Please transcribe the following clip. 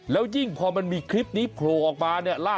แล้วยิ่งพอมันมีคลิปนี้โผล่ออกมาเนี่ย